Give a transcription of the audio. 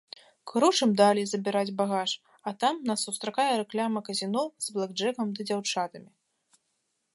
Крочым далей забіраць багаж, а там нас сустракае рэклама казіно з блэкджэкам ды дзяўчатамі.